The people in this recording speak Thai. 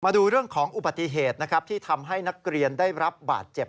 มาดูเรื่องของอุบัติเหตุนะครับที่ทำให้นักเรียนได้รับบาดเจ็บ